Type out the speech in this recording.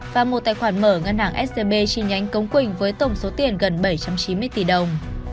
và một tài khoản mở ngân hàng scb chi nhánh cống quỳnh với tổng số tiền gần bảy trăm chín mươi tỷ đồng